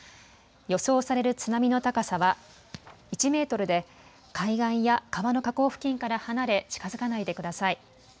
予想される津波の高さは１メートルで海岸や川の河口付近から離れ、近づかないでください。